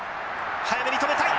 早めに止めたい。